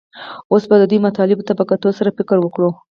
اوس به دې مطالبو ته په کتو سره فکر وکړو